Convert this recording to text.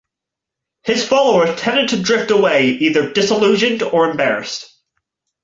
His followers tended to drift away either disillusioned or embarrassed.